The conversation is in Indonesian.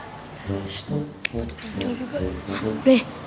ssst udah tidur juga